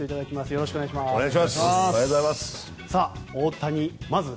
よろしくお願いします。